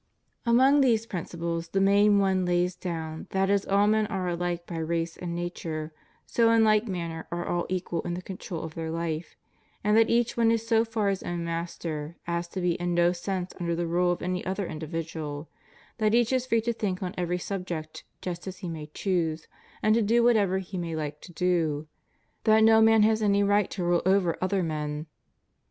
Amongst these principles the main one lays down that as all men are alike by race and nature, so in like manner all are equal in the control of their life; that each one is so far his own master as to be in no sense under the rule of any other individual; that each is free to think on every subject just as he may choose, and to do whatever he may like to do ; that no man has any right to rule over other men.